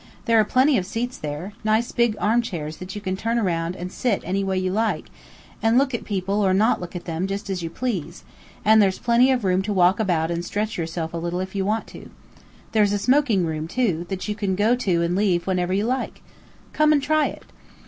There are plenty of seats there, nice big armchairs that you can turn around and sit any way you like, and look at people or not look at them, just as you please, and there's plenty of room to walk about and stretch yourself a little if you want to. There's a smoking room, too, that you can go to and leave whenever you like. Come and try it."